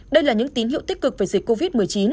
đây là những tín hiệu tích cực về dịch covid một mươi chín